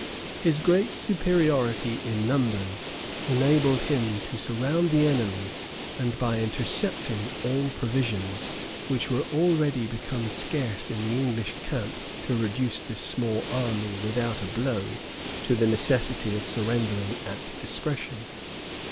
His great superiority in numbers enabled him to surround the enemy; and by intercepting all provisions, which were already become scarce in the English camp, to reduce this small army, without a blow, to the necessity of surrendering at discretion.